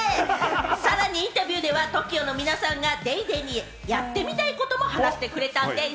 さらにインタビューではＴＯＫＩＯの皆さんが『ＤａｙＤａｙ．』でやってみたいことも話してくれたんでぃす！